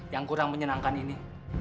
yang kurang menyenangkan ini